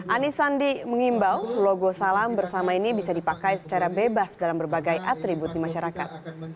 anies sandi mengimbau logo salam bersama ini bisa dipakai secara bebas dalam berbagai atribut di masyarakat